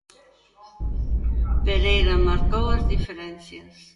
Pereira marcou as diferencias.